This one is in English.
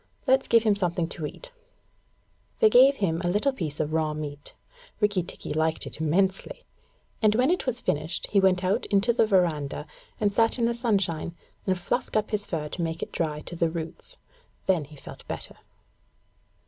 Let's give him something to eat.' They gave him a little piece of raw meat. Rikki tikki liked it immensely, and when it was finished he went out into the verandah and sat in the sunshine and fluffed up his fur to make it dry to the roots. Then he felt better.